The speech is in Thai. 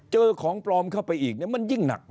เจอของปลอมเข้าไปอีกมันยิ่งหนัก